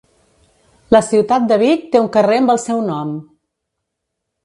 La ciutat de Vic té un carrer amb el seu nom.